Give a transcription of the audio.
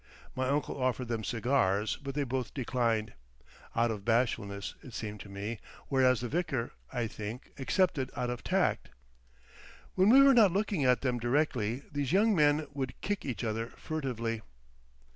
My uncle offered them cigars, but they both declined,—out of bashfulness, it seemed to me, whereas the vicar, I think, accepted out of tact. When we were not looking at them directly, these young men would kick each other furtively.